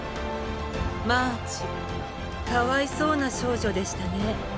マーチかわいそうな少女でしたね。